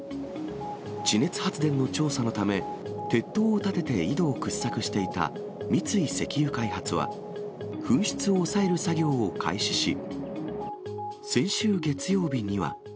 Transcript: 地熱発電の調査のため、鉄塔を建てて井戸を掘削していた三井石油開発は、噴出を抑える作業を開始し、先週月曜日には。